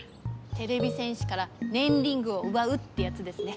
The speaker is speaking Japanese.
てれび戦士からねんリングをうばうってやつですね。